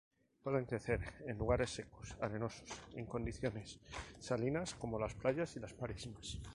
Puede crecer en lugares secos, arenosos, en condiciones salinas, como las playas y marismas.